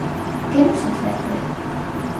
Que nos ofrece?